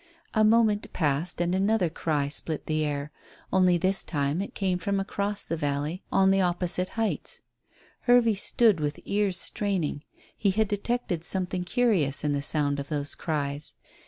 A moment passed and another cry split the air, only this time it came from across the valley on the opposite heights. Hervey stood with ears straining. He had detected something curious in the sound of those cries.